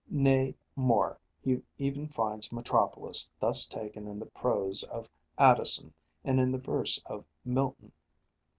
Nay, more, he even finds metropolis thus taken in the prose of Addison and in the verse of Milton.